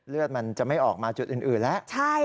เลือดมันจะไม่ออกมาจุดอื่นแล้ว